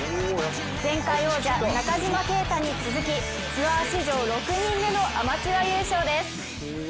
前回王者、中島啓太に続きツアー史上６人目のアマチュア優勝です。